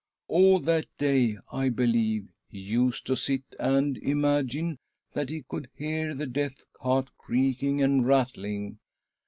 All that day, I believe, he used to sit and imagine that he could hear, the death cart creaking and rattling.